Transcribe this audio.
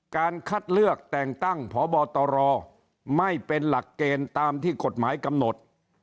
การคัดเลือกแต่งตั้งพบตรไม่เป็นหลักเกณฑ์ตามที่กฎหมายกำหนด